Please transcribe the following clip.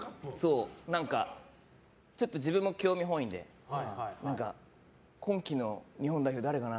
ちょっと自分も興味本位で今季の日本代表誰かな？